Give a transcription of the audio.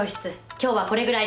今日はこれぐらいで。